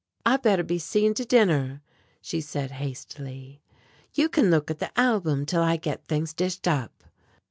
"I better be seeing to dinner," she said hastily. "You can look at the album till I get things dished up."